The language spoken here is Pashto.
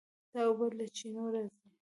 دا اوبه له چینو راځي.